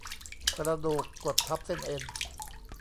กระดูกกดทับเส้นเอ็น